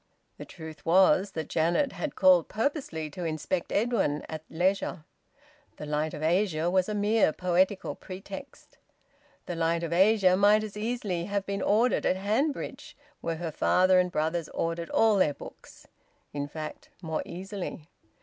The truth was that Janet had called purposely to inspect Edwin at leisure. "The Light of Asia" was a mere poetical pretext. "The Light of Asia" might as easily have been ordered at Hanbridge, where her father and brothers ordered all their books in fact, more easily.